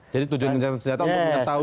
jadi tujuan gencatan senjata untuk mengetahui